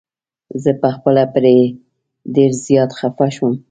زه په خپله پرې ډير زيات خفه شوم.